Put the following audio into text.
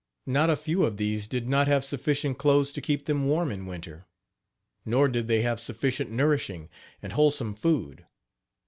Not a few of these did not have sufficient clothes to keep them warm in winter; nor did they have sufficient nourishing and wholesome food.